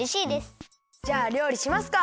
じゃありょうりしますか！